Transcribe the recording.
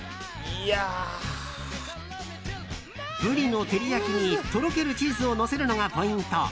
ブリの照り焼きにとろけるチーズをのせるのがポイント。